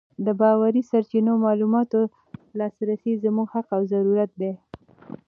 د باوري سرچینو معلوماتو ته لاسرسی زموږ حق او ضرورت دی.